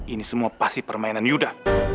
ini semua pasti permainan yuda